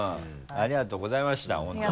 ありがとうございました本当に。